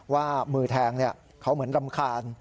ว่ามือแทงเขาเหมือนรำคาญ